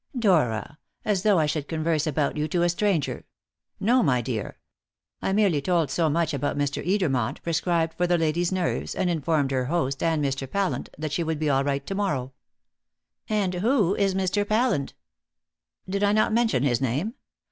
"Dora! As though I should converse about you to a stranger! No, my dear. I merely told so much about Mr. Edermont, prescribed for the lady's nerves, and informed her host and Mr. Pallant that she would be all right to morrow." "And who is Mr. Pallant?" "Did I not mention his name?